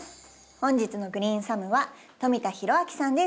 本日の「グリーンサム」は富田裕明さんです。